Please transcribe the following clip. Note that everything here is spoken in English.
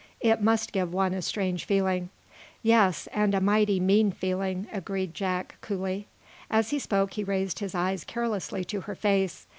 "It must give one a strange feeling." "Yes, and a mighty mean feeling," agreed Jack, coolly. As he spoke he raised his eyes carelessly to her face.